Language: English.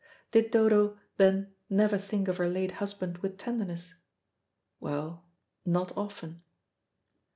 Did Dodo then never think of her late husband with tenderness? Well, not often.